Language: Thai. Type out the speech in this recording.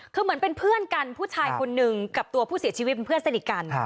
คือเหมือนเป็นเพื่อนกันผู้ชายคนหนึ่งกับตัวผู้เสียชีวิตเป็นเพื่อนสนิทกัน